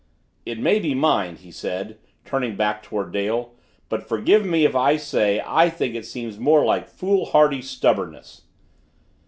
"It may be mind," he said, turning back toward Dale, "but forgive me if I say I think it seems more like foolhardy stubbornness!"